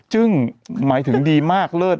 หมายถึงดีมากเลิศ